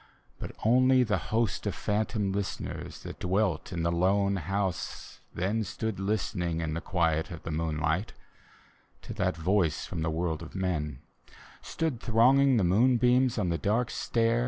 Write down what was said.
But only the host of phantom listeners That dwelt in the lone house then Stood listening in the quiet of the moonlight To that voice from the world of men: Stood thronging the moonbeams on the dark stair.